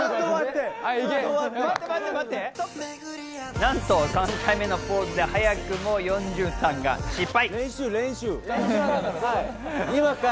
なんと３回目のポーズで早くもヨンジュンさんが失敗。